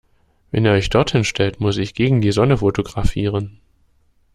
Wenn ihr euch dort hinstellt, muss ich gegen die Sonne fotografieren.